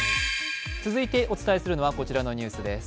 続いてお伝えするのはこちらのニュースです。